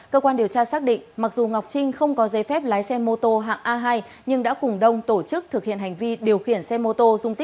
cơ quan điều tra xác định mặc dù ngọc trinh không có giấy phép lái xe mô tô hạng a hai nhưng đã cùng đông tổ chức thực hiện hành vi điều khiển xe mô tô